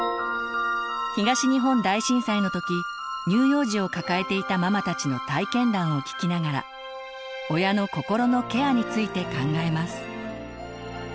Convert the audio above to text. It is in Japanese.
東日本大震災の時乳幼児を抱えていたママたちの体験談を聞きながら親の心のケアについて考えます。